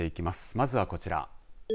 まずはこちら。